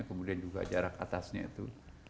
kemudian juga jarak atasnya itu